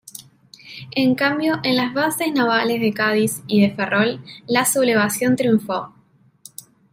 En cambio en las bases navales de Cádiz y de Ferrol la sublevación triunfó.